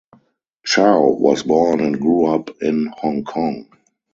Chow was born and grew up in Hong Kong.